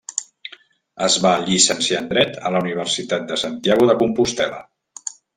Es va llicenciar en Dret a la Universitat de Santiago de Compostel·la.